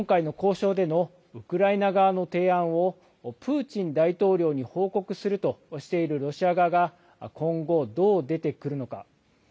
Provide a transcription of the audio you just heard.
今回の交渉でのウクライナ側の提案をプーチン大統領に報告するとしているロシア側が、今後どう出てくるのか。